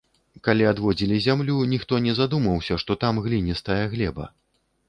Калі адводзілі зямлю, ніхто не задумаўся, што там гліністая глеба.